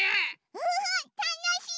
うんたのしい！